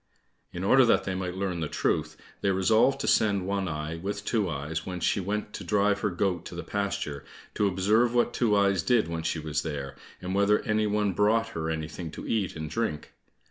In order that they might learn the truth, they resolved to send One eye with Two eyes when she went to drive her goat to the pasture, to observe what Two eyes did when she was there, and whether any one brought her anything to eat and drink.